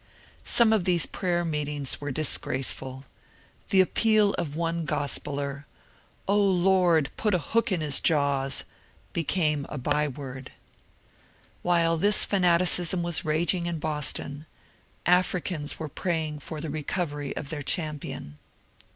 Some of these prayer meetings were disgraceful ; the appeal of one gospeller, "O Lord, put a hook in his jawsl'\— | became a byword. While this f^aticism was raging in Bos ton, Africans were praying for the recovery of their champion.